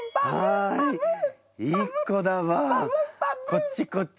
こっちこっち。